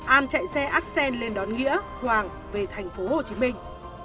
an chạy xe absen lên đón nghĩa hoàng về thành phố hồ chí minh